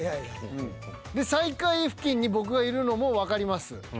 で最下位付近に僕がいるのもわかります。